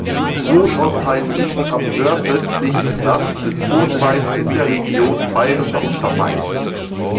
Großostheim liegt am nordöstlichen Rand des Odenwalds in der Region Bayerischer Untermain.